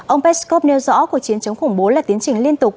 ông peskov nêu rõ cuộc chiến chống khủng bố là tiến trình liên tục